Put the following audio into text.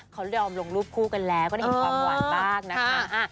เขายอมลงรูปคู่กันแล้วก็ได้เห็นความหวานบ้างนะคะ